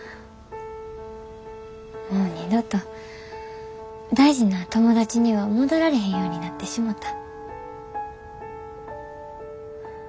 もう二度と大事な友達には戻られへんようになってしもた。